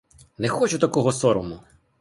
Не хочу такого сорому!